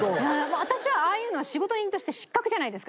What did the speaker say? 私はああいうのは仕事人として失格じゃないですか。